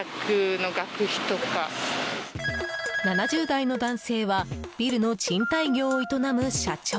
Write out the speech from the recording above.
７０代の男性はビルの賃貸業を営む社長。